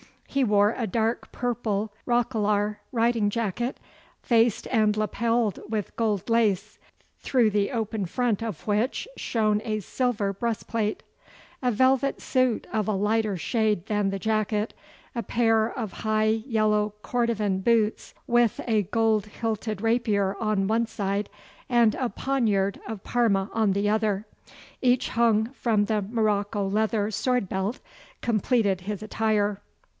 He wore a dark purple roquelaure riding jacket, faced and lapelled with gold lace, through the open front of which shone a silver breastplate. A velvet suit of a lighter shade than the jacket, a pair of high yellow Cordovan boots, with a gold hilted rapier on one side, and a poniard of Parma on the other, each hung from the morocco leather sword belt, completed his attire.